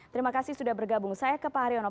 terima kasih sudah bergabung saya ke pak haryono